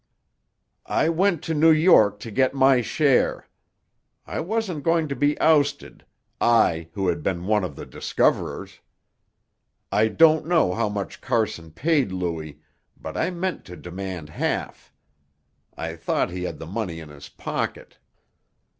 "I went to New York to get my share. I wasn't going to be ousted, I, who had been one of the discoverers. I don't know how much Carson paid Louis, but I meant to demand half. I thought he had the money in his pocket.